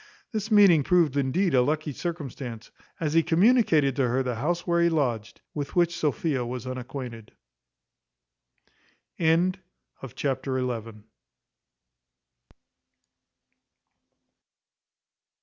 This meeting proved indeed a lucky circumstance, as he communicated to her the house where he lodged, with which Sophia was unacquainted. Chapter xii.